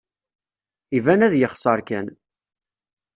Iban ad yexser kan.